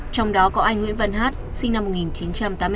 trong đó có anh nguyễn văn hát sinh năm một nghìn chín trăm tám mươi tám